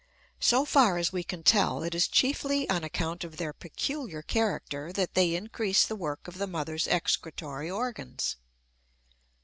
So far as we can tell, it is chiefly on account of their peculiar character that they increase the work of the mother's excretory organs.